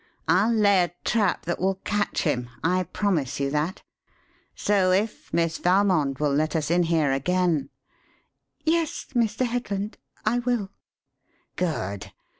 I'll lay a trap that will catch him. I promise you that. So if Miss Valmond will let us in here again " "Yes, Mr. Headland, I will." "Good!